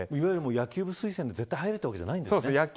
野球部推薦で絶対に入れるわけではないんですね。